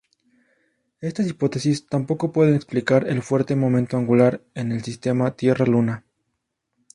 Estas hipótesis tampoco pueden explicar el fuerte momento angular en el sistema Tierra-Luna.